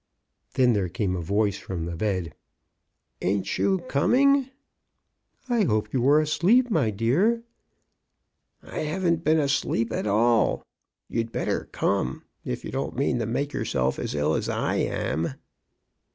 Then there came a voice from the bed, — "Ain't you coming?" I hoped you were asleep, my dear." " I haven't been asleep at all. You'd better come, if you don't mean to make yourself as ill as I am."